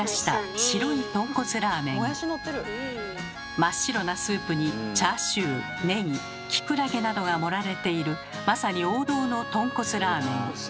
真っ白なスープにチャーシューネギキクラゲなどが盛られているまさに王道のとんこつラーメン。